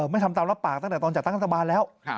ไม่ทำตามรับปากตั้งแต่ตอนจัดตั้งรัฐบาลแล้ว